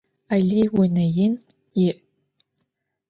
Alıy vune yin yi'.